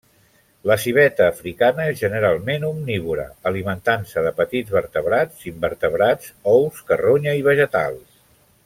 La civeta africana és generalment omnívora, alimentant-se de petits vertebrats, invertebrats, ous, carronya i vegetals.